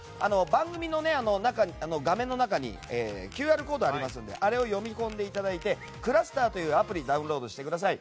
番組の画面の中にＱＲコードがありますのであれを読み込んでいただいてｃｌｕｓｔｅｒというアプリをダウンロードしてください。